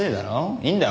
いいんだよ